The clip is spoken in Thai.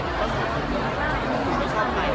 การรับความรักมันเป็นอย่างไร